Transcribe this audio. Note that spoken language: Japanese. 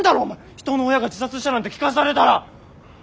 人の親が自殺したなんて聞かされたら。